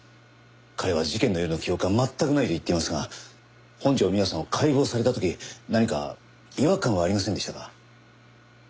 彼は事件の夜の記憶は全くないと言っていますが本条美和さんを解剖された時何か違和感はありませんでしたか？